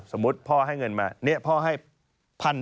สมมุติพ่อให้เงินมาพ่อให้๑๐๐๐บาท